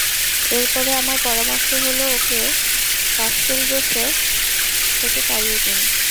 এর পরে, আমার পরামর্শ হল ওকে কাস্টেলরোসো থেকে তাড়িয়ে দিন।